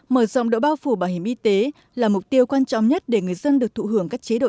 mở rộng độ bao phủ bảo hiểm y tế là mục tiêu quan trọng nhất để người dân được thụ hưởng các chế độ